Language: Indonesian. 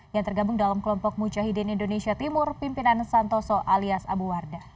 yang tergabung dalam kelompok mujahidin indonesia timur pimpinan santoso alias abu wardah